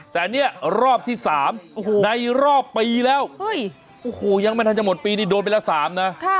แต่เนี่ยรอบที่๓ในรอบปีแล้วโอ้โหยังไม่ทันจะหมดปีนี่โดนไปละ๓นะ